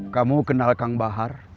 kamu kenal kang bahar